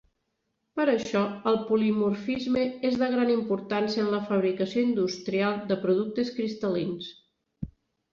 Per això, el polimorfisme és de gran importància en la fabricació industrial de productes cristal·lins.